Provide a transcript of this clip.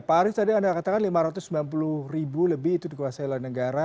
pak arief tadi anda katakan lima ratus sembilan puluh ribu lebih itu dikuasai oleh negara